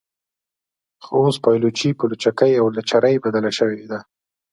خو اوس پایلوچي په لچکۍ او لچرۍ بدله شوې ده.